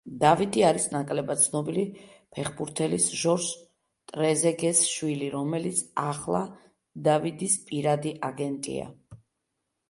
დავიდი არის ნაკლებად ცნობილი ფეხბურთელის ჟორჟ ტრეზეგეს შვილი, რომელიც ახლა დავიდის პირადი აგენტია.